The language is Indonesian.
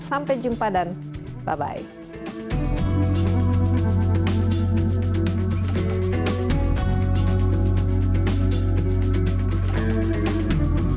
sampai jumpa dan bye bye